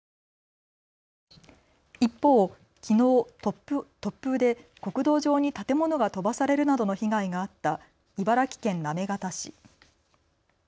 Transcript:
一方、きのう突風で国道上に建物が飛ばされるなどの被害があった茨城県行方市。